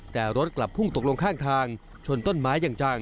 แต่รถกลับพุ่งตกลงข้างทางชนต้นไม้อย่างจัง